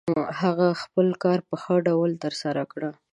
هغه خپل کار په ښه ډول ترسره کړ.